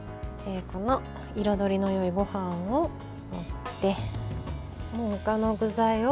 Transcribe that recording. この彩りのよいごはんを盛って他の具材を。